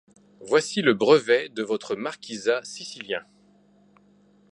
Voici le brevet de votre marquisat sicilien.